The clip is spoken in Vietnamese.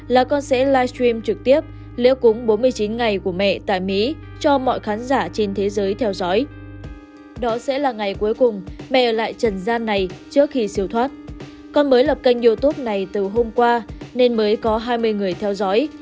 lại trần gian này trước khi siêu thoát con mới lập kênh youtube này từ hôm qua nên mới có hai mươi người theo dõi